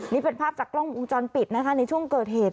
นี่เป็นภาพจากกล้องวงจรปิดนะคะในช่วงเกิดเหตุ